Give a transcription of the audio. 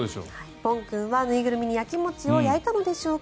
ぽん君は縫いぐるみにやきもちをやいたのでしょうか。